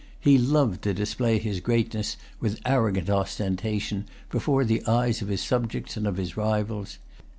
He loved to display his greatness with arrogant ostentation before the eyes of his subjects and of his rivals.